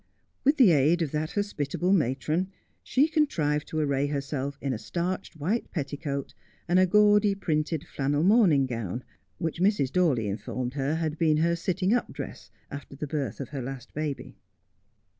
With the aid of that hospitable matron she contrived to array herself in a starched white petticoat and a gaudy printed flannel morning gown, which Mrs. Dawley in formed her had been her sitting up dress after the birth of her last baby.